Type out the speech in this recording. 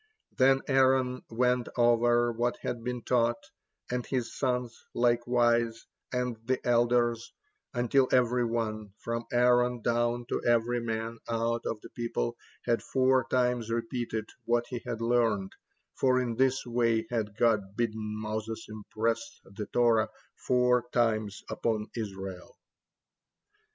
Then Aaron went over what had been taught, and his sons likewise, and the elders, until every one, from Aaron down to every man out of the people, had four times repeated what he had learned, for in this way had God bidden Moses impress the Torah four times upon Israel.